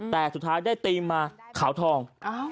แต่สุดท้ายได้ธีมมาขาวทอง